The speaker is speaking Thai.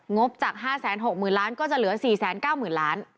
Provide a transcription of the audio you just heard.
บจาก๕๖๐๐๐ล้านก็จะเหลือ๔๙๐๐ล้าน